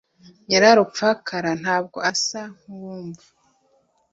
Nyararupfakara ntabwo asa nkuwumva